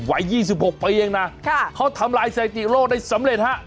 ไว้ยี่สิบหกประเภทเองนะค่ะเขาทำลายสัยติโลกได้สำเร็จฮะ